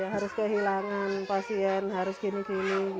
harus kehilangan pasien harus gini gini